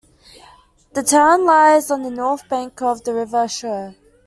The town lies on the north bank of the river Cher.